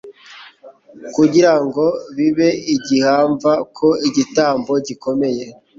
kugira ngo bibe igihamva ko igitambo gikomeye